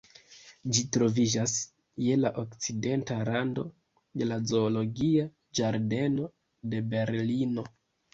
Ĝi troviĝas je la okcidenta rando de la Zoologia ĝardeno de Berlino.